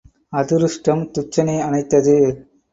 அதிருஷ்டம் துச்சனை அனைத்தது.